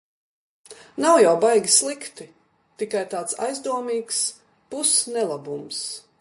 Nav jau baigi slikti, tikai tāds aizdomīgs pus-nelabums.